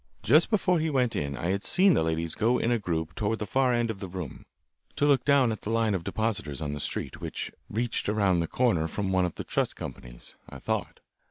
Just before he went in I had seen the ladies go in a group toward the far end of the room to look down at the line of depositors on the street, which reached around the corner from one of the trust companies, I thought.